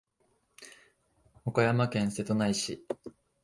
岡山県瀬戸内市